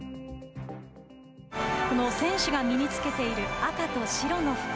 この選手が身につけている赤と白の服。